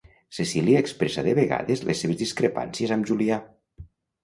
Cecili expressa de vegades les seves discrepàncies amb Julià.